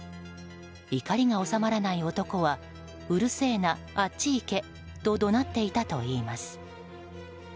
怒りが収まらない男はうるせえな、あっち行けと怒鳴っていたといいます。